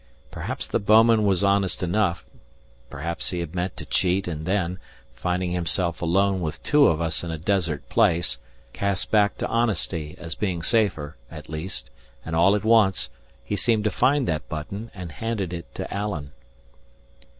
Perhaps the bouman was honest enough; perhaps he had meant to cheat and then, finding himself alone with two of us in a desert place, cast back to honesty as being safer; at least, and all at once, he seemed to find that button and handed it to Alan.